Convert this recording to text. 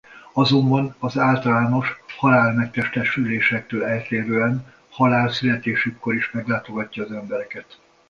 Azonban az általános halál-megtestesülésektől eltérően Halál születésükkor is meglátogatja az embereket.